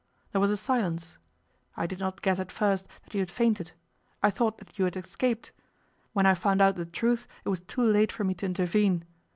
There was a silence. I did not guess at first that you had fainted. I thought that you had escaped. When I found out the truth it was too late for me to intervene.